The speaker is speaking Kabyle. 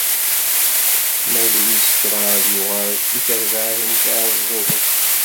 Ma d wis kraḍ, yuɣal i terbaɛt n Yiɛeẓẓugen.